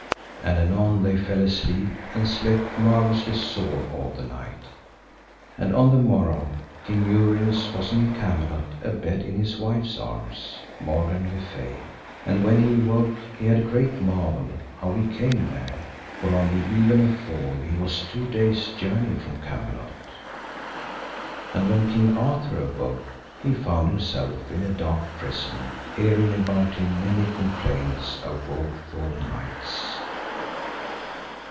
And anon they fell asleep, and slept marvellously sore all the night. And on the morrow King Uriens was in Camelot abed in his wife's arms, Morgan le Fay. And when he awoke he had great marvel, how he came there, for on the even afore he was two days' journey from Camelot. And when King Arthur awoke he found himself in a dark prison, hearing about him many complaints of woful knights.